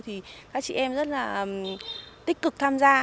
thì các chị em rất là tích cực tham gia